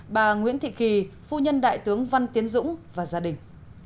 bà nguyễn thị kỳ phu nhân đại tướng văn tiến dũng và gia đình